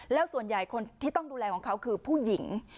แล้วส่วนใหญ่คนที่ต้องดูแลของเขาคือผู้หญิง